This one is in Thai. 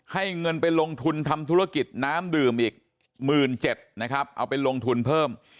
เงินไปลงทุนทำธุรกิจน้ำดื่มอีก๑๗๐๐นะครับเอาไปลงทุนเพิ่ม